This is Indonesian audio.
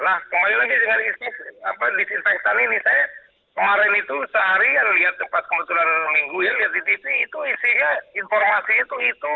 nah kembali lagi dengan disinfektan ini saya kemarin itu seharian lihat tempat kebetulan minggu ya lihat di tv itu isinya informasi itu itu